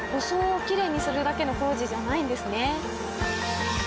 装をきれいにするだけの工事じゃないんですね。